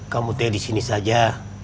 kamu teh di sini aja